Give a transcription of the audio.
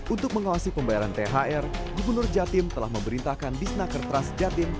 untuk mengawasi pembayaran thr gubernur jatim telah memerintahkan disna kertras jatim